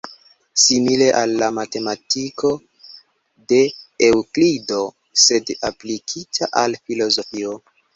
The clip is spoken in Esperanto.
Simile al la matematiko de Eŭklido, sed aplikita al filozofio.